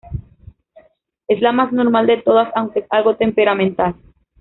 Es la más normal de todas, aunque es algo temperamental.